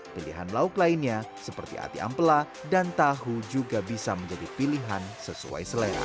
pilihan lauk lainnya seperti ati ampela dan tahu juga bisa menjadi pilihan sesuai selera